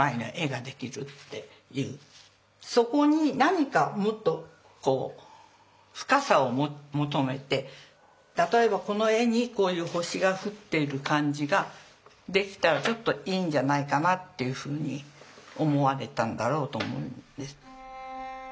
そこに何かもっと深さを求めて例えばこの絵にこういう星が降っている感じができたらちょっといいんじゃないかなっていうふうに思われたんだろうと思うんです。